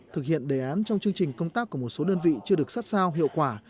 thực hiện đề án trong chương trình công tác của một số đơn vị chưa được sát sao hiệu quả